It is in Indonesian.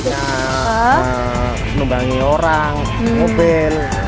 takutnya menumbangin orang mobil